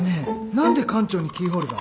何で館長にキーホルダー？